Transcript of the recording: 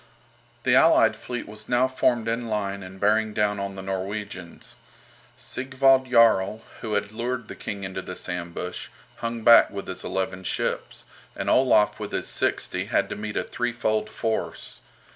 The allied fleet was now formed in line and bearing down on the Norwegians. Sigvald Jarl, who had lured the King into this ambush, hung back with his eleven ships, and Olaf with his sixty had to meet a threefold force.